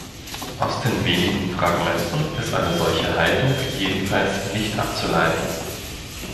Aus den wenigen Fragmenten ist eine solche Haltung jedenfalls nicht abzuleiten.